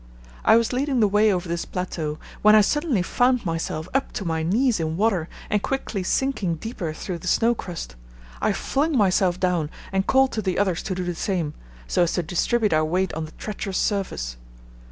I was leading the way over this plateau when I suddenly found myself up to my knees in water and quickly sinking deeper through the snow crust. I flung myself down and called to the others to do the same, so as to distribute our weight on the treacherous surface.